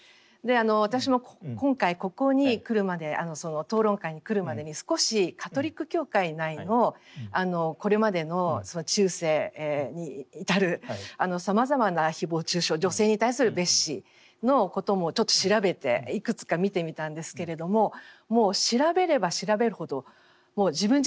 私も今回ここに来るまで討論会に来るまでに少しカトリック教会内のこれまでの中世に至るさまざまな誹謗中傷女性に対する蔑視のこともちょっと調べていくつか見てみたんですけれどももう調べれば調べるほど自分自身がつらい。